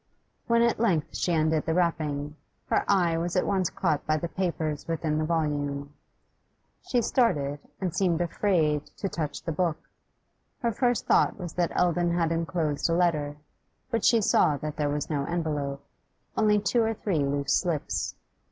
When at length she undid the wrapping, her eye was at once caught by the papers within the volume. She started, and seemed afraid to touch the book. Her first thought was that Eldon had enclosed a letter; but she saw that there was no envelope, only two or three loose slips.